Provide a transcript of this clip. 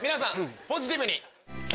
ポジティブに。